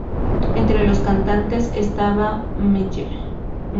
Entre los cantantes estaba Mlle.